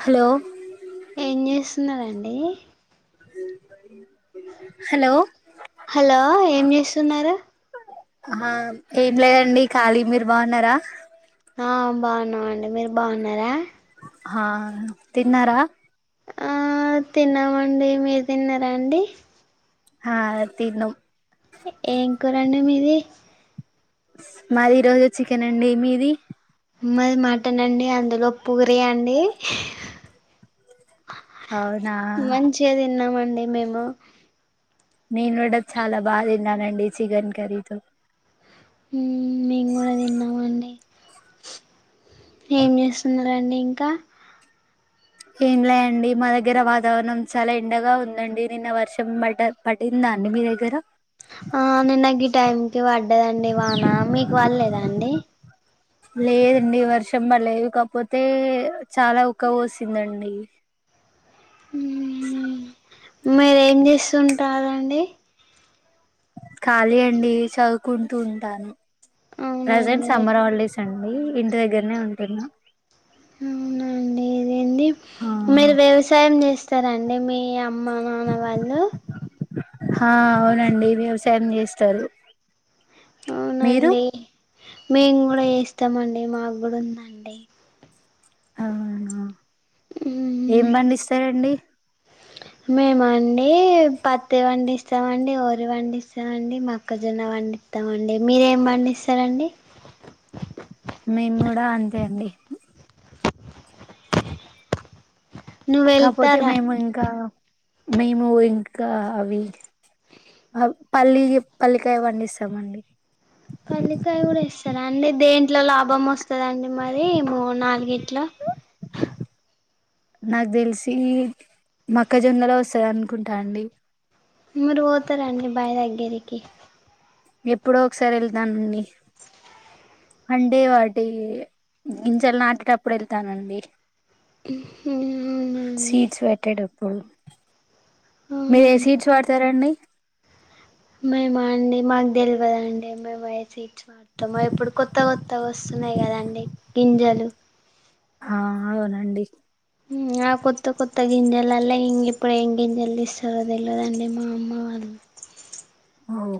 Hollow ఏం చేస్తున్నారండి hello hello ఏం చేస్తున్నారు ఆ ఏం లేదండి ఖాళీ మీరు బాగున్నారా ఆ బాగున్నామండి మీరు బాగున్నారా ఆ తిన్నారా ఆ తిన్నామండి మీరు తిన్నారా అండి హా తిన్నాం ఏం కురండి మీది మాది ఈరోజు చికెన్ అండి మీది మాది మాటన్ అండి అందులో పూరి అండి అవునా చిగా తిన్నామండి మేము నేను కూడా చాలా బాగా తిన్నానండి చికెన్ కర్రీతో ఉమ్మ్ ఏం చేస్తున్నారండి ఇంకా ఏంలే అండి మా దగ్గర వాతావరణం చాలా ఎండగా ఉందండి నిన్న వర్షం బట పడిందా అండి మీ దగ్గర ఆ నిన్న గీ టైంకి పడ్డదండి వాన మీకు పల్లెదాండి లేదండి వర్షం పడ్లేదు కాక్పోతే చాలా ఉక్క పోసిందండి ఉమ్మ్ మీరేం చేస్తుంటారండి ఖాళీ అండి చదువుకుంటూ ఉంటాను ప్రజెంట్ అవునండి సమ్మర్ హాలిడేస్ అండి ఇంటి దగ్గర్నే ఉంటున్నా అవునాండి ఇదేంది ఆ మీరు వ్యవసాయం చేస్తారండి మీ అమ్మ నాన్న వాళ్ళు ఆ అవునండి వ్యవసాయం చేస్తారు మీరు అవునండి మేము కూడా ఏస్తామండి మాకూడా ఉందండి అవునా ఊ ఏం పండిస్తారండి మేమండి పత్తి పండిస్తామండి వరి పండిస్తామండి మొక్కజొన్న పండి స్తామండి మీరేం పండిస్తారండి మేము కూడా అంతే అండి నువ్వు కాకపోతే వెళ్తారా మేము ఇంకా మేము ఇంకా అవి పల్లి పల్లికాయ పండిస్తామండి పల్లికాయ కూడా ఇస్తారా అండి దేంట్లో లాభం వస్తదండి మరి ఏమో నాలుగిట్లో నాకు తెలిసి మక్కజొన్నలో వస్థాయి అనుకుంటా అండి మీరు పోతార అండి బాయి దగ్గరికి ఎప్పుడో ఒకసారి వెళ్తానండి అంటే వాటి గింజెలు నాటేటప్పుడు వెళ్తానండి ఉ హ్మ్ సీడ్స్ పెట్టేటప్పుడు మీరు ఏ అవునండి సీడ్స్ వాడతారండి మేము అండి మాకు తెలవదండి మేమై సీడ్స్ వాడతాము ఇప్పుడు కొత్త కొత్త వస్త వస్తున్నాయి కదండి గింజలు ఆ అవునండి ఆ కొత్త కొత్త గింజలల్లో ఇంగిపోయిన గింజలు తీస్తారో తెలియదండి మా అమ్మ వాళ్ళు అవు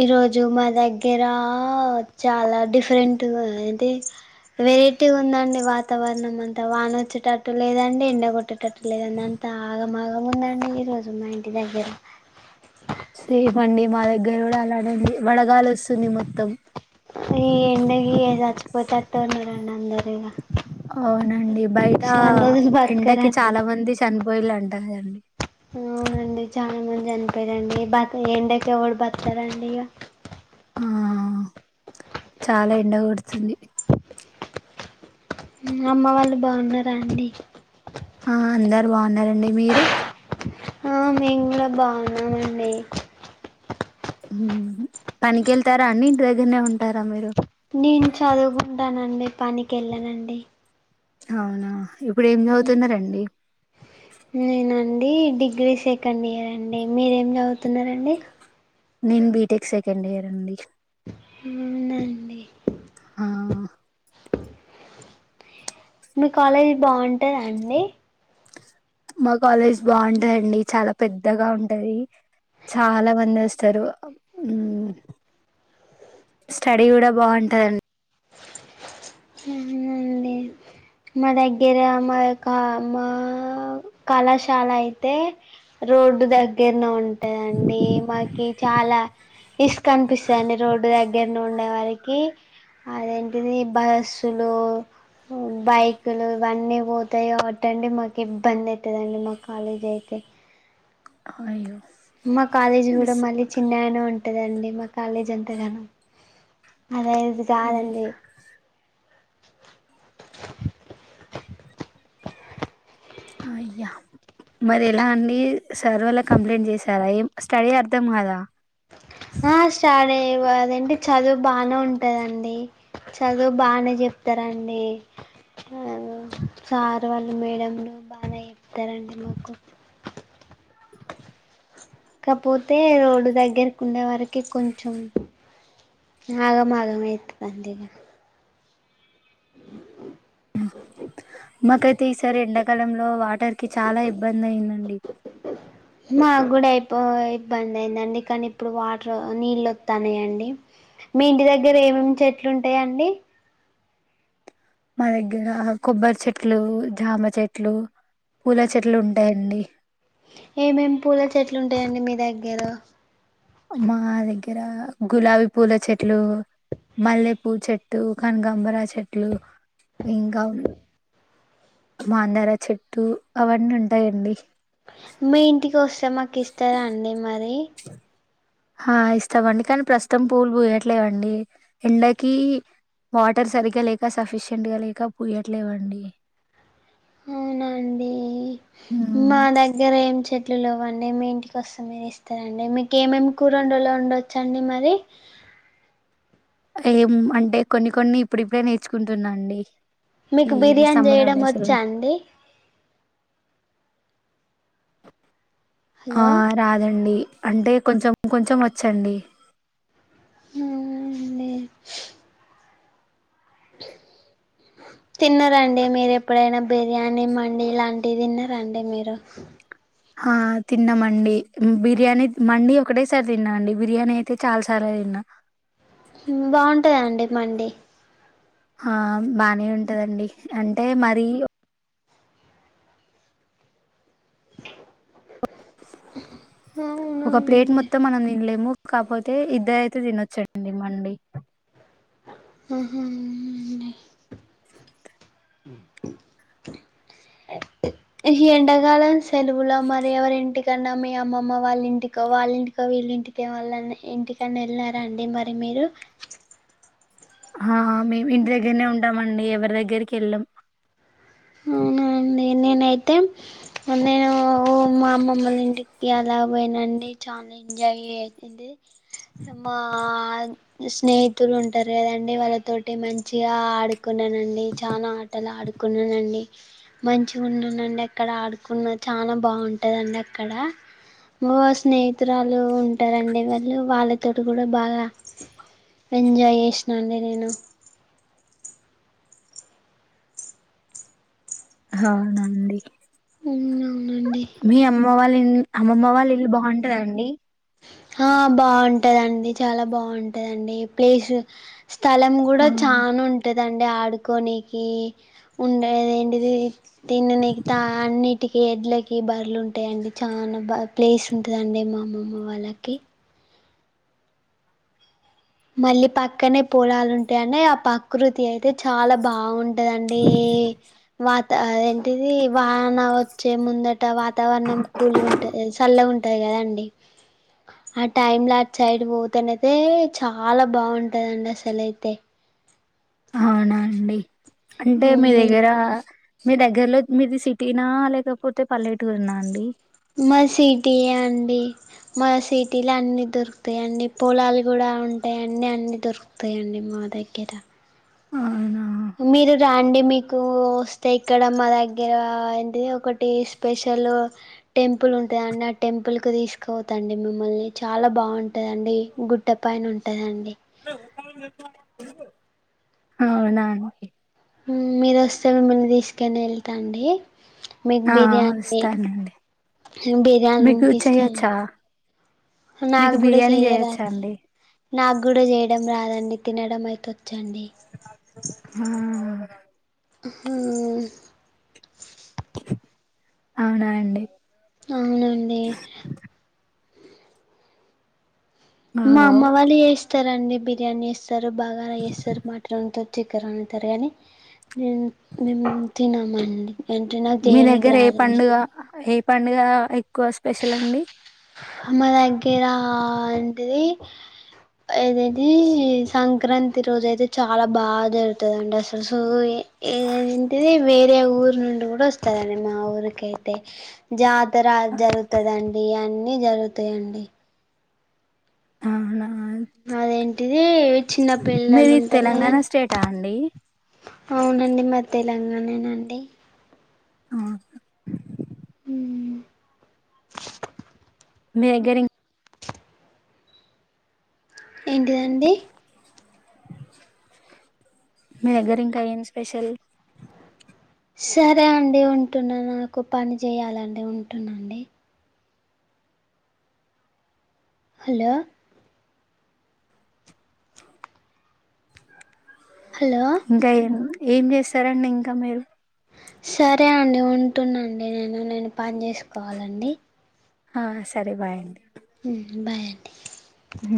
ఈరోజు మా దగ్గర చాలా డిఫరెంట్ అంటే వెరైటీ ఉందండి వాతావరణం అంతా వానొచ్చేటట్టు లేదండి ఎండగొట్ట కట్టేటట్టు లేదన్నంతా ఆగమాగముందండి ఈరోజు మా ఇంటి దగ్గర సేఫ్ అండి మా దగ్గర కూడా అలానే ఉంది వడగాలి వస్తుంది మొత్తం ఈ ఎండకి ఇగ చచ్చిపోతట్టే ఉన్నారండి అందరు ఇగ అవునండి బయట అందరు ఎండకి బతకరండి చాలా మంది చనిపోయలా అంటదండి అ అవునండి చాలా మంది చనిపోయారండిబతక ఎండకి ఎవరు బతకరండి ఇగ ఆ చాలా ఎండగొడ్తుంది అమ్మ వాళ్ళు బావున్నారా అండి ఆ అందరు బాగున్నారండి మీరు ఆ మేం కూడా బాగున్నామండి పనికెళ్తారా అండి ఇంటి దగ్గరనే ఉంటారా మీరు నేను చదువుకుంటానండి పనికి వెళ్ళనండి అవునా ఇప్పుడు ఏం చదువుతున్నారండి నేనండి డిగ్రీ సెకండ్ ఇయర్ అండి మీరేం చదువుతున్నారండి నేను బీటెక్ సెకండ్ ఇయర్ అండి అవునండి ఆ మీ కాలేజీ బాగుంటదండి మా కాలేజ్ బాగుంటదండి చాలా పెద్దగా ఉంటది చాలా మంది వస్తారు హ్మ్ స్టడీ కూడా బాగుంటందండి అవునండి మా దగ్గర మా యొక్క మా కళాశాల అయితే రోడ్డు దగ్గరనే ఉంటదండి మాకి చాలా ఇసుకనిపిస్తుందడి రోడ్డు దగ్గర నె ఉండే వారికి అదేంటిది బ స్సు లో బైకులు ఇవన్నీ పోతాయి కాబటండి మాకు ఇబ్బంది అయితదండి మా కాలేజ్ అయితే అయ్యో మా కాలేజీ కూడా డిస్ మళ్ళీ చిన్నగానే ఉం టదండి మా కాలేజ్ అంతగానం అద ఇది కాదండి అయ్యా మరి ఎలా అండి సర్ వాల్ల కంప్లైంట్ చేసారా ఏ స్టడీ అర్థం కదా ఆ స్టడి అ దెంటి చదువు బానే ఉంటదండి చదువు బానే చెప్తారాండి సార్ వాళ్ళు మేడంలు బానే చెప్తారండి మాకు కాకపోతే రోడ్డు దగ్గరకు ఉండే వారికి కొంచెం ఆగం ఆగం అయితది అంత ఇగ మాకైతే ఈసారీ ఎండాకాలంలో వాటర్ కి చాలా ఇబ్బంది అయిందండి మా కూడా అయిపో ఇబ్బంది అయిందండి కానీ ఇప్పుడు వాటర్ నీళ్ళు వత్తనయండి మీ ఇంటి దగ్గర ఏమేమి చెట్లు ఉంటాయండి మా దగ్గర కొబ్బరి చెట్లు జామ చెట్లు పూల చెట్లు ఉంటాయండి ఏమేమి పూల చెట్లు ఉంటాయండి మీ దగ్గర మా దగ్గర గులాబీ పూల చెట్లు మల్లెపూ చెట్టు కనకంబర చెట్లు ఇంకా మాందార చెట్టు అవన్నీ ఉంటాయండి మీ ఇంటికి వస్తే మాకు ఇస్తారా అండి మరి ఆ ఇస్తామండి కానీ ప్రస్తుతం పూలు పూయట్లేవండి ఎండకి వాటర్ సరిగ్గా లేక సఫిషియయంట్ గా లేక పూయ్యట్లేవండి అవునండి మ్ మా దగ్గర ఏం చెట్లులేవ్వండి మీ ఇంటికోస్త మీరు ఇస్తారండి మీకు ఏమేమి కూరలోన్ ఓండో చండి మరి ఏం అంటే కొన్ని కొన్ని ఇప్పుడిప్పుడే నేర్చుకుంటున్నాఅండి మీకు ఈ బిర్యానీ సమ్మర్ హల్ చేయడం డేస్లో వచ్చా అండి హలో ఆ రాదండి అంటే కొంచం కొంచం వచ్చండి హ్ము అండి తిన్నరండి మీరు ఎప్పుడైనా బిర్యానీ మండి లాంటిద్ తిన్నారండి మీరు ఆ తిన్నామండి బిర్యానీ మండి ఒకటేసారి తిన్నామండి బిర్యానీ అయితే చాలా సార్లు తిన్నా మ్ బాగుంటదండి మండి హా బానే ఉంటదండి అంటే మరీ హ్మ్మ్ ఒక ప్లేట్ మొత్తం మనం తిన్లెము కాపోతే ఇద్దరైతే తినొచ్చండి మండి అహ అవునండి ఈ ఎండకాలం సెలవులో మరి ఎవరింటిక్ కన్నా మీ అమ్మమ్మ వాళ్ళ ఇంటికో వాళ్ళింటికో వీళ్ళింటికో ఎవళ్ళ ఇంటికన్నా వెళ్ళారండి మరి మీరు హా మేము ఇంటి దగ్గరనే ఉంటామండి ఎవరి దగ్గరికి ఎల్లం అవున అండి నేనై అయితే నేనూ హు ఓ మా అమ్మ అమ్మల ఇంటికి అల పోయిన అండి చాలా ఎంజాయ్ చేసింది మ్మాద్ స్నేహితులు ఉంటారు కద అండి వాళ్ళతోటి మంచిగా ఆడుకున్నానఅండి చాల అ ఎలా ఆడుకున్నాన్ అండ్ హి మంచిగా ఉన్నాన అండి అక్కడ ఆడుకున్న చాలా బాగుంటదఅండి అక్కడ ఓ స్నేహితురాలు ఉ ఉంటార అండి మళ్ళీ వాళ్ళతో కూడా బాగా ఎంజాయ్ చేసినా అండి నేను హౌన అండీ అవునండి మీ అమ్మ వాళ్ళ ఇల్ అమ్మ అమ్మ వాల్ ఇళ్ళు బాగుంటద అండి హ బాగుంటద అండి చాలా బాగుంటద అండి ప్లేసూ హ్ స్థలం కూడా ఆ! చాన్ఉంటద అండి ఆడ్కొనికి ఉండేది ఎండి ఇది తిన్నీనికి తా అన్నిటికిీ ఎడ్లకి బర్రలు ఉంటాయ అండి చానా బా ప్లేస్ ఉంటద అండి మా అమ్మ అమ్మ వాళ్ళకి మళ్ళీ పక్కనే పొలాలు ఉంటాయి అండి ఆ ప్రకృతి అయితే చాలా బాగుంటద అండీ వాతాఅవేన్ టిది వాన వచ్చేముందుట వాతావరణం కూల్గా ఉంటది హి చల్లగా ఉంట అది కదా అండి ఆ టైమ్ లా అట్సైడ్ పోతనయితే చాలా బాగుంటదఅండి అసలై అయితే అవునా అండి అంటే మీ అవునండి దగ్గర మీ దగ్గర్లో మీది సిటీనా లేకపోతే పల్లెటూరునా అండి మాది సిటియే అండి మ సిటీల అన్ని దొరుకుతాయ అండి పొలాలు కూడా ఉంటాయి అన్ని అన్నీ దొరుక్ పైయ అండి మా దగ్గర అవునా ఉ మీరు ర అండి మీకూ వస్తే ఇక్కడా మా దగ్గర ఏంటిది ఒకటి స్పెషల్ హు టెంపుల్ ఉంటాద అండి ఆ టెంపుల్ కు తీసుక్ కోత అండి మిమ్మల్ని చాలా బాగుంటద అండి గుడ్డ పైన ఉంటద అండి ఆ అవున అండ్ హ్ముం మీరు వస్తరఅండి మిమ్మల్ని తీసుకోని ఎల్త అండి మీకు ఆ బిర్యానీ వస్తానండి బిర్యానీ మీకు అనిపిస్తుంది చేయొచ్చా మీకు నాక్ గూడ బిర్యానీ చేయొచ్చా చేయరాదు అండి నాకు కూడా చేయడం రాదఅండి తినడం అయితే వచ్చ అండి హ మ్మ్ అవునా అండి అవున అండి ఆ మా అమ్మ వాళ్ళు ఏస్తార అండి బిర్యానీ ఏస్తరు బాగానే ఏస్తరు మాట్లాత్ చికెర అనేతారు కాని మేము మేము తినమన్ అండి మీ దగ్గర ఏ పండుగ ఏ పండుగ ఎక్కువ స్పెషల్ అండి మా దగ్గర అంట అది ఏదైది సంక్రాంతి రోజు అయితే చాలా బాగా జరుగుతుద అండి అసలు సో ఏ ఇది ఏంటిది వేరే ఊరు నుండి కూడా వస్తద అండి మా ఊరికై అయితే జా అంత రాజ అంత గా అండి అన్ని జరుగుతాయ అండి అవునా అదేంటిది చిన్న పిల్లలు మీది ఉంటారు కద తెలంగాణ స్టేటా అండి అవునండి మా తెలంగాణనేండి ఆహా ఊ నీ దగ్గరిన్ ఏంటిదండి మీ దగ్గర ఇంకా ఏం స్పెషల్ సరే అండి ఉంటున్నాను నాకు పని చేయాలండి ఉంటున్నా అండి హలో హలో ఇంకా ఏం ఏం చేస్తారండి ఇంకా మీరు సరే అండి ఉంటుండండి నేను నేను పని చేసుకోవాలండి హా సరే బాయ్ ఉ బాయ్ అండి ఉ